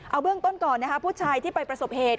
เอาเบื้องต้นก่อนนะคะผู้ชายที่ไปประสบเหตุ